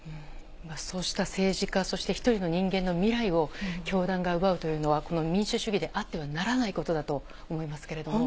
今、そうした政治家、人間の未来を凶弾が奪うというのは、この民主主義であってはならないことだと思いますけれども。